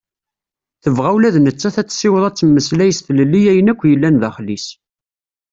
Tebɣa ula d nettat ad tessiweḍ ad temmeslay s tlelli ayen akk yellan daxel-is.